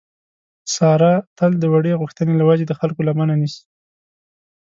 ساره تل د وړې غوښتنې له وجې د خلکو لمنه نیسي.